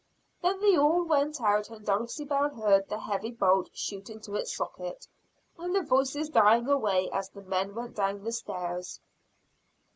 Then they all went out and Dulcibel heard the heavy bolt shoot into its socket, and the voices dying away as the men went down the stairs.